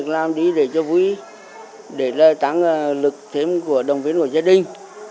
lợi tăng lực thêm của đồng viên của gia đình